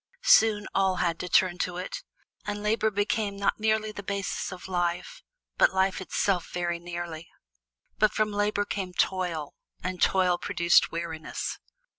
Soon all had to turn to it, and labor became not merely the basis of life, but life itself very nearly. But from Labor came Toil, and Toil produced Weariness.